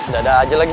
dadah aja lagi